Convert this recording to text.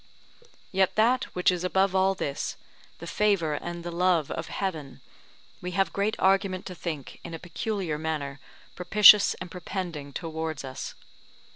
Yet that which is above all this, the favour and the love of Heaven, we have great argument to think in a peculiar manner propitious and propending towards us.